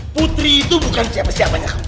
putri itu bukan siapa siapanya